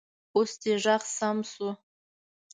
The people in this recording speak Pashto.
اوس دې غږ سم شو